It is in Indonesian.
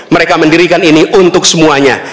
mereka mendirikan ini untuk semuanya